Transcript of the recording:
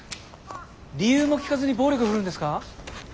理由も聞かずに暴力振るうんですか？